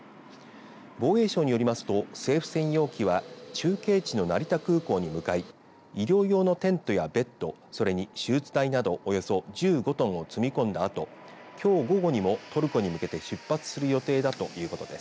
防衛省によりますと政府専用機は中継地の成田空港に向かい医療用のテントやベッドそれに手術台などおよそ１５トンを積み込んだあときょう午後にもトルコに向けて出発する予定だということです。